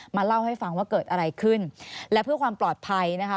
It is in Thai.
เล่าให้ฟังว่าเกิดอะไรขึ้นและเพื่อความปลอดภัยนะคะ